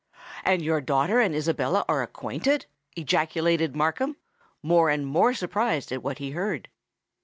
"And your daughter and Isabella are acquainted?" ejaculated Markham, more and more surprised at what he heard.